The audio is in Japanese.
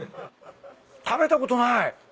食べたことない。